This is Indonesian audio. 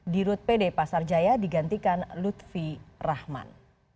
di rut pd pasar jaya digantikan lutfi rahman